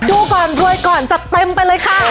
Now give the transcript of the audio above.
ดูก่อนทุยก่อนจัดเต็มไปเลยค่ะโอเคครับ